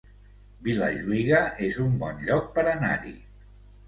Vilajuïga es un bon lloc per anar-hi